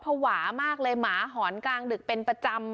ภาวะมากเลยหมาหอนกลางดึกเป็นประจำ